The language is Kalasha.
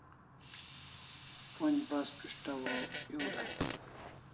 Pon'j bas pishtaw o ew dai